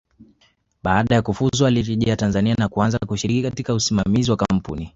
Baada ya kufuzu alirejea Tanzania na kuanza kushiriki katika usimamizi wa kampuni